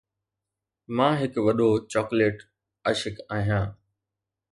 مان هڪ وڏو چاکليٽ عاشق آهيان.